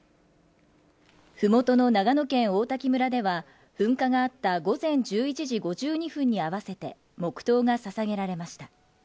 ふもとの長野県王滝村では、噴火があった午前１１時５２分に合わせて、黙とうがささげられました。